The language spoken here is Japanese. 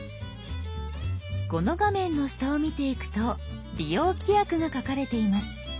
この画面の下を見ていくと「利用規約」が書かれています。